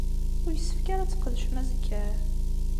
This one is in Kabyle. Ur yessefk ara ad tqedcem azekka?